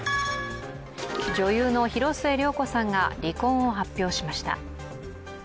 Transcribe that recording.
女優の広末涼子さんが離婚を発表しました。